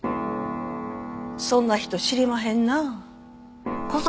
そんな人知りまへんなあ。